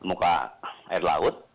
pembangunan air laut